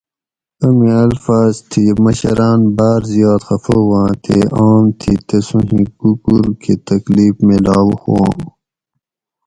امی الفاظ تھی مشران باۤر زیات خفہ ہوآں تے آم تھی تسوں ہِکوکور کہ تکلیف میلاؤ ہُوآں